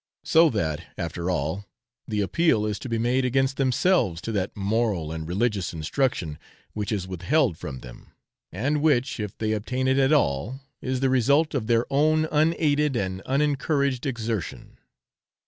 So that, after all, the appeal is to be made against themselves to that moral and religious instruction which is withheld from them, and which, if they obtain it at all, is the result of their own unaided and unencouraged exertion.